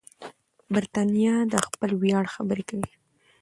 برتانیه د خپل ویاړ خبرې کوي.